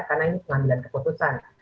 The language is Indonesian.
karena ini pengambilan keputusan